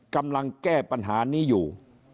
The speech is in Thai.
กำลังแก้ปัญหานี้อยู่